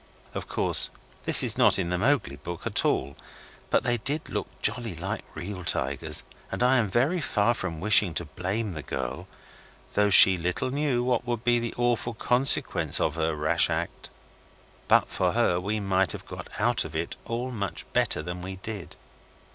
Of course, this is not in the Mowgli book at all: but they did look jolly like real tigers, and I am very far from wishing to blame the girl, though she little knew what would be the awful consequence of her rash act. But for her we might have got out of it all much better than we did.